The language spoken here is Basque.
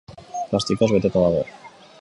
Plastikoz beteta dago.